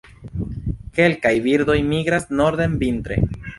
Kelkaj birdoj migras norden vintre.